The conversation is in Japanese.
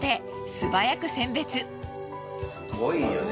すごいよね。